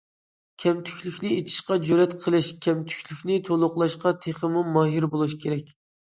كەمتۈكلۈكنى ئېچىشقا جۈرئەت قىلىش، كەمتۈكلۈكنى تولۇقلاشقا تېخىمۇ ماھىر بولۇش كېرەك.